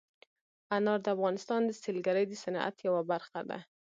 انار د افغانستان د سیلګرۍ د صنعت یوه برخه ده.